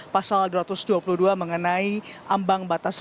pasal dua ratus dua puluh dua mengenai ambang batas